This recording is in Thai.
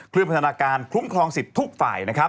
เคลื่อนพัฒนาการคลุ้มครองสิทธิ์ทุกฝ่าย